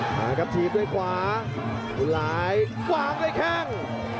มาครับทีมด้วยขวาหลายวางด้วยแค่ง